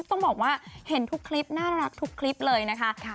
ต้องบอกว่าเห็นทุกคลิปน่ารักทุกคลิปเลยนะคะ